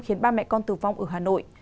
khiến ba mẹ con tử vong ở hà nội